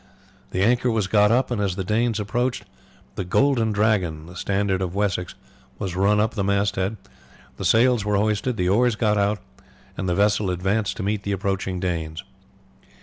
The anchor was got up, and as the Danes approached, the Golden Dragon, the standard of Wessex, was run up to the mast head, the sails were hoisted, the oars got out, and the vessel advanced to meet the approaching Danes.